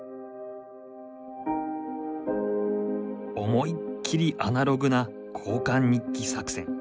思いっきりアナログな交換日記作戦。